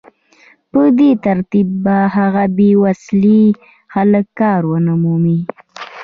په دې ترتیب به هغه بې وسيلې خلک کار ونه مومي